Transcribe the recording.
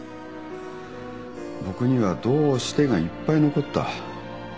僕には「どうして」がいっぱい残った。